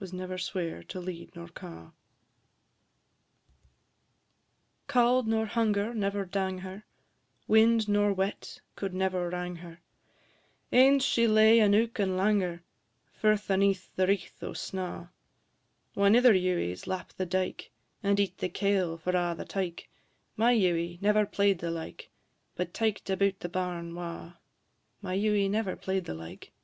III. Cauld nor hunger never dang her, Wind nor wet could never wrang her, Anes she lay an ouk and langer Furth aneath a wreath o' snaw: Whan ither ewies lap the dyke, And eat the kail, for a' the tyke, My Ewie never play'd the like, But tyc'd about the barn wa'; My Ewie never play'd the like, &c.